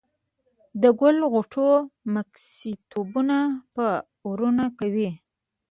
د ګل غوټو مسكيتوبونه به اورونه کوي